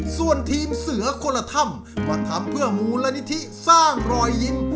ส่วนทีมเสือคนละถ้ำก็ทำเพื่อมูลนิธิสร้างรอยยิ้ม